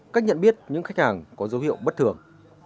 cách nhận biết những khách hàng có dấu hiệu bất thường